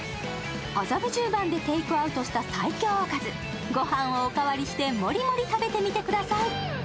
麻布十番でテイクアウトした最強おかず、御飯をお代わりしてもりもり食べてみてください。